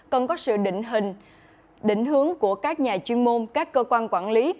cần có sự định hướng của các nhà chuyên môn các cơ quan quản lý